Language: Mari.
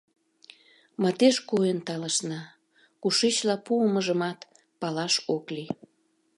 Мардеж койын талышна, кушечла пуымыжымат палаш ок лий.